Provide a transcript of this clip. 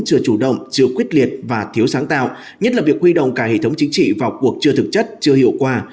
chưa chủ động chưa quyết liệt và thiếu sáng tạo nhất là việc huy động cả hệ thống chính trị vào cuộc chưa thực chất chưa hiệu quả